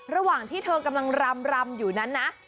ระหว่างที่เธอกำลังรำอยู่นั้นนะ